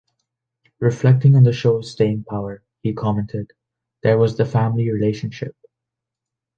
Reflecting on the show's staying power, he commented: There was the family relationship.